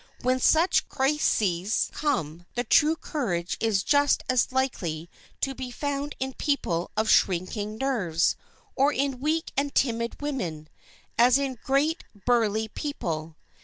When such crises come, the true courage is just as likely to be found in people of shrinking nerves, or in weak and timid women, as in great, burly people.